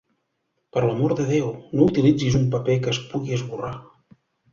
Per l'amor de Déu!, no utilitzis un paper que es pugui esborrar.